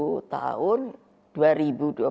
kita bisa memenangkan